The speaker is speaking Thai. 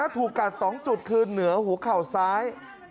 ถูกกัด๒จุดคือเหนือหัวเข่าซ้าย